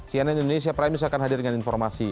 cnn indonesia prime news akan hadir dengan informasi